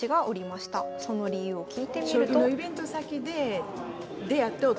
その理由を聞いてみると。